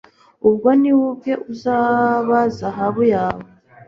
ubwo ni we ubwe uzaba zahabu yawe